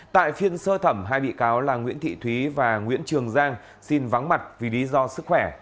tại phiên sơ thẩm hai bị cáo là nguyễn thị thúy và nguyễn trường giang xin vắng mặt vì lý do sức khỏe